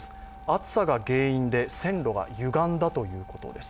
暑さが原因で線路がゆがんだということです。